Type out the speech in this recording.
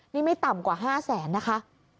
นี่ไม่ต่ำกว่า๕แสนนะคะ